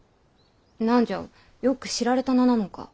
何じゃよく知られた名なのか。